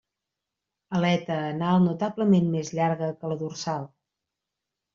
Aleta anal notablement més llarga que la dorsal.